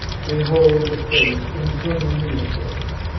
Behold the Fates' infernal minister!